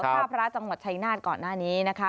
ท่าพระราชจังหวัดชัยนาธิ์ก่อนหน้านี้นะคะ